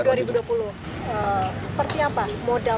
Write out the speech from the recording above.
seperti apa modal